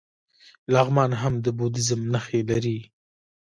لغمان هم د بودیزم نښې لري